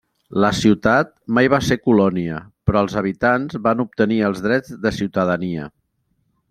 La ciutat mai va ser colònia, però els habitants van obtenir els drets de ciutadania.